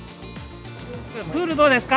プールどうですか？